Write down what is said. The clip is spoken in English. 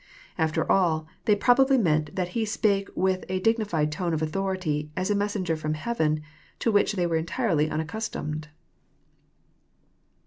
Above all, they probably meant that He spi^e with a dignified tone of authority, as a messenger from heaven, to which they were entirely unaccustomed.